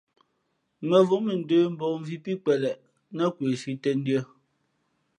Mα̌vō mʉndə̌ mbᾱᾱ mvī pí kweleʼ nά kwesi tēndʉ̄ᾱ.